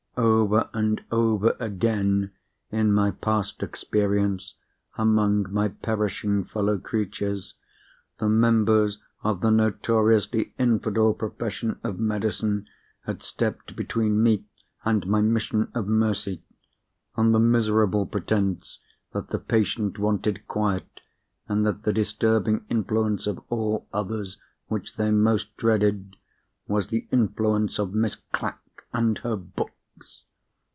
Over and over again in my past experience among my perishing fellow creatures, the members of the notoriously infidel profession of Medicine had stepped between me and my mission of mercy—on the miserable pretence that the patient wanted quiet, and that the disturbing influence of all others which they most dreaded, was the influence of Miss Clack and her Books.